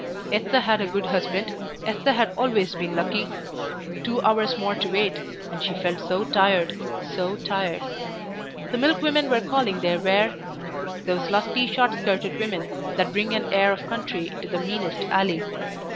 Esther had a good husband, Esther had always been lucky. Two hours more to wait, and she felt so tired, so tired. The milk women were calling their ware those lusty short skirted women that bring an air of country into the meanest alley.